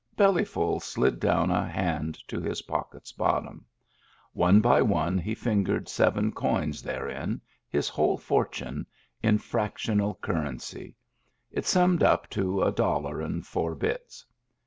Bellyful slid down a hand to his pocket's bottom. One by one he fingered seven coins therein, his whole fortune, in fractional currency — it summed up to a dollar and four bits.